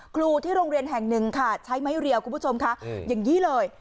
ครูที่โรงเรียนแห่งหนึ่งค่ะใช้ไม้เรียวคุณผู้ชมค่ะอย่างนี้เลย